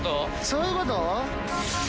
そういうこと？